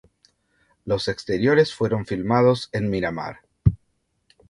Los exteriores fueron filmados en Miramar.